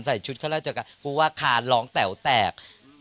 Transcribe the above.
ใส่ชุดเข้าร่าเจอกันกูว่าขานร้องแต๋วแตก